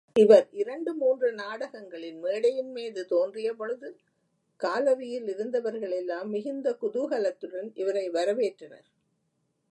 இவர் இரண்டு மூன்று நாடகங்களில் மேடையின்மீது தோன்றியபொழுது, காலரியில் இருந்தவர்களெல்லாம், மிகுந்த குதூஹலத்துடன் இவரை வரவேற்றனர்.